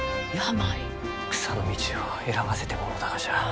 草の道を選ばせてもろうたがじゃ。